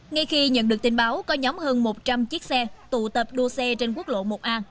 ngay khi nhận được tin báo có nhóm hơn một trăm linh chiếc xe tụ tập đua xe trên quốc lộ một a